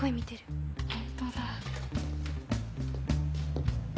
本当だ。